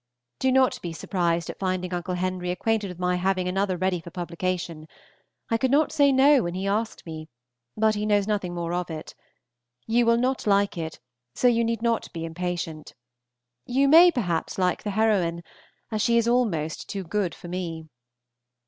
Do not be surprised at finding Uncle Henry acquainted with my having another ready for publication. I could not say No when he asked me, but he knows nothing more of it. You will not like it, so you need not be impatient. You may perhaps like the heroine, as she is almost too good for me.